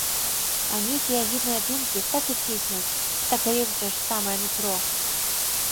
А нейкія агідныя думкі так і ціснуць, так і лезуць аж у самае нутро.